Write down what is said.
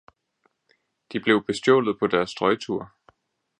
De blev bestjålet på deres strøgtur.